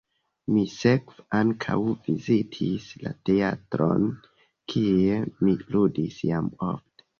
Mi sekve ankaŭ vizitis la teatron, kie mi ludis jam ofte.